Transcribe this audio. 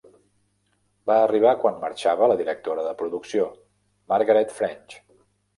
Va arribar quan marxava la directora de producció, Margaret French.